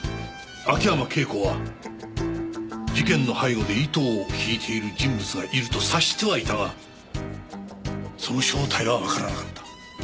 秋山圭子は事件の背後で糸を引いている人物がいると察してはいたがその正体がわからなかった。